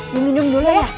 bimbing dulu ya makasih